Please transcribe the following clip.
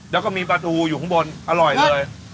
แล้วก็มีปลาทูอยู่ข้างบนอร่อยเลย